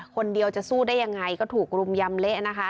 คนเดียวจะสู้ได้ยังไงก็ถูกรุมยำเละนะคะ